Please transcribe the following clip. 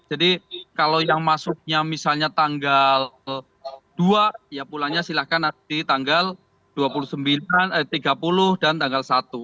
jadi kalau yang masuknya misalnya tanggal dua ya pulangnya silahkan di tanggal tiga puluh dan tanggal satu